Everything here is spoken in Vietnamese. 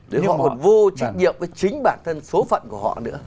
đấy họ còn vô trách nhiệm với chính bản thân số phận của họ nữa